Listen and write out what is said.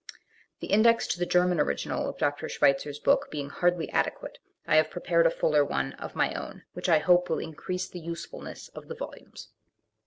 The index to the German original of Dr. Schweitzer's book being hardly adequate, I have prepared a fuller one of my own, which I hope will increase the usefulness of the volumes.